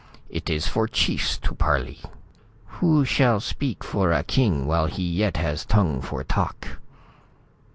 "It is for chiefs to parley. Who shall speak for a king while he yet has tongue for talk?"